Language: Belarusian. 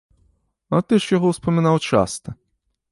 А ты ж яго ўспамінаў часта!